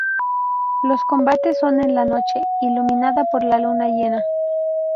Los combates son en la noche, iluminada por la luna llena.